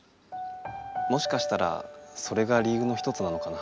もしかしたらそれがりゆうの一つなのかな。